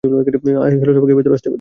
Hello সবাইকে, ভেতরে আসতে পারি?